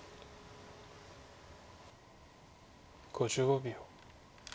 ５５秒。